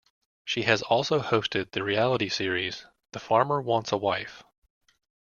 She has also hosted the reality series "The Farmer Wants a Wife".